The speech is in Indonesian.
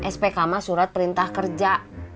spk ma surat perintah kerja